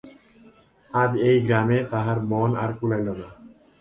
আজ এই গ্রামে তাহার মন আর কুলাইল না।